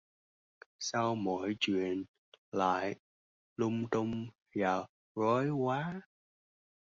Sao mọi chuyện lại lung tung và rối quá